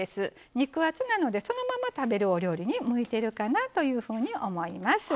肉厚なのでそのまま食べるお料理に向いてるかなというふうに思います。